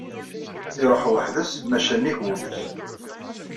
Iṛuḥ weḥd-s maca nnig wul-is.